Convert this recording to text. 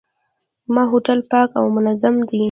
دا هوټل پاک او منظم دی.